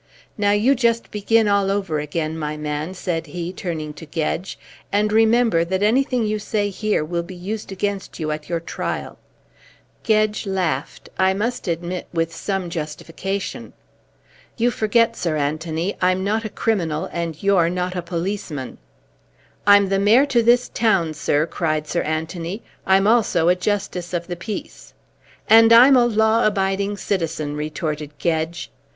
Now you just begin all over again, my man," said he, turning to Gedge, "and remember that anything you say here will be used against you at your trial." Gedge laughed I must admit, with some justification. "You forget, Sir Anthony, I'm not a criminal and you're not a policeman." "I'm the Mayor to this town, sir," cried Sir Anthony. "I'm also a Justice of the Peace." "And I'm a law abiding citizen," retorted Gedge.